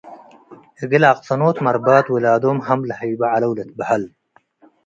እግል አቅሰኖት መርባት ውላዶም hm ለሀይቦ ዐለው ልትበሀል ።